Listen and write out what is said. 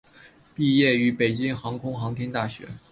毕业于北京航空航天大学。